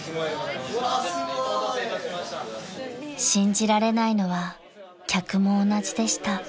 ［信じられないのは客も同じでした］